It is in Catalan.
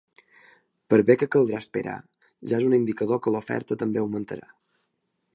Per bé que caldrà esperar, ja és un indicador que l’oferta també augmentarà.